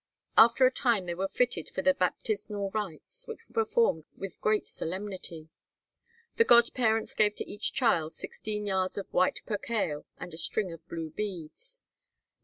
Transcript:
After a time they were fitted for the baptismal rites, which were performed with great solemnity. The god parents gave to each child sixteen yards of white percale and a string of blue beads.